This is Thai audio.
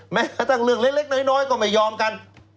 แม้กระทั่งเรื่องเล็กน้อยก็ไม่ยอมกัน